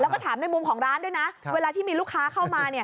แล้วก็ถามในมุมของร้านด้วยนะเวลาที่มีลูกค้าเข้ามา